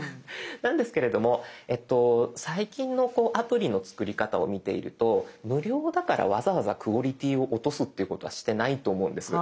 なんですけれども最近のアプリの作り方を見ていると無料だからわざわざクオリティーを落とすっていうことはしてないと思うんです。